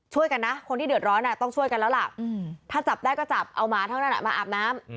ช่วยกันนะคนที่เดือดร้อนต้องช่วยกันแล้วล่ะถ้าจับได้ก็จับเอาหมาเท่านั้นมาอาบน้ำ